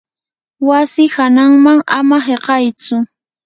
wasi hananman ama hiqaytsu.